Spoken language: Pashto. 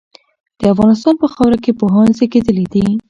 د افغانستان په خاوره کي پوهان زېږيدلي دي.